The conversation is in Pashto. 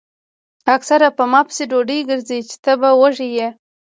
اکثر پۀ ما پسې ډوډۍ ګرځئ چې تۀ به وږے ئې ـ